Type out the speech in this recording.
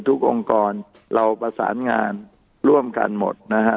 องค์กรเราประสานงานร่วมกันหมดนะฮะ